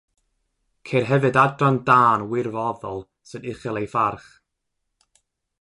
Ceir hefyd adran dân wirfoddol sy'n uchel ei pharch.